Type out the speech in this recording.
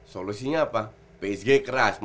solusinya apa psg keras